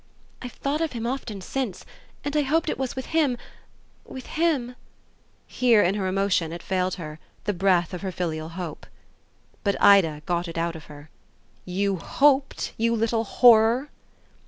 "I've thought of him often since, and I hoped it was with him with him " Here, in her emotion, it failed her, the breath of her filial hope. But Ida got it out of her. "You hoped, you little horror